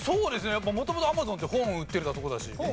やっぱ元々Ａｍａｚｏｎって本売ってたとこだし。